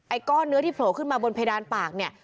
ก้อนเนื้อที่โผล่ขึ้นมาบนเพดานปากเนี่ย